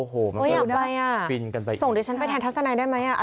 หรือเปล่าโอ้โฮ